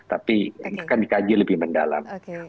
tapi ini kan dikaji lebih mendalam